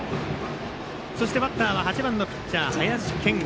バッターは８番のピッチャー、林謙吾。